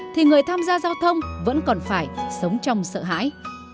thì người tham gia giao thông vẫn còn phải sống trong sợ hãi